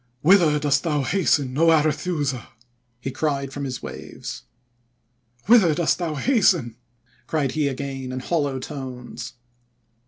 "'Whither dost thou hasten, 0 Arethusa?' he cried from his waves. 'Whither dost thou hasten?' cried he again in hollow tones.